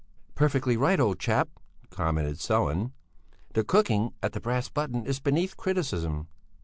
"Perfectly right, old chap," commented Sellén; "the cooking at the 'Brass Button' is beneath criticism."